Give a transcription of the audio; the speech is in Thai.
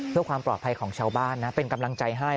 เพื่อความปลอดภัยของชาวบ้านนะเป็นกำลังใจให้